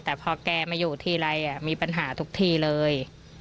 แต่พอแกมาอยู่ทีไรมีปัญหาทุกทีเลย